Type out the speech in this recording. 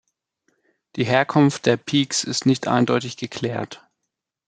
Die Herkunft der Pikes ist nicht eindeutig geklärt.